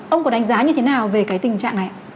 ông có đánh giá như thế nào về cái tình trạng này